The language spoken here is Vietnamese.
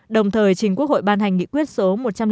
đồng thời trình quốc hội ban hành nghị quyết số một trăm linh sáu